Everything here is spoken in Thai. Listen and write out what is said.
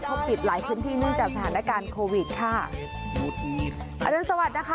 เขาปิดหลายเครื่องที่นึงจากสถานการณ์โควิดค่ะอันนั้นสวัสดิ์นะคะ